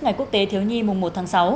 ngày quốc tế thiếu nhi mùng một tháng sáu